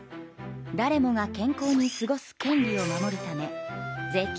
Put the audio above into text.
だれもが健康に過ごす権利を守るため税金